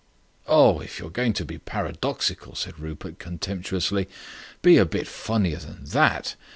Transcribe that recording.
"Oh! if you are going to be paradoxical," said Rupert contemptuously, "be a bit funnier than that.